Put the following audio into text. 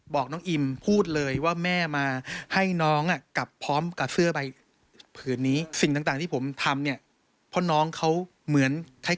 บอกน้องอิมพูดเลยว่าแม่มาให้น้องกลับพร้อมกับเสื้อไป